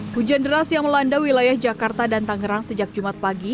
hujan deras yang melanda wilayah jakarta dan tangerang sejak jumat pagi